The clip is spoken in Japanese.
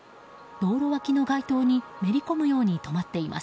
道路脇の街灯にめり込むように止まっています。